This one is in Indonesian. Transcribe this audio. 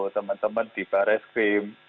teman teman di barreskrim